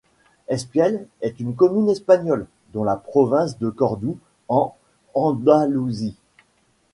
Espiel est une commune espagnole, dans la province de Cordoue en Andalousie.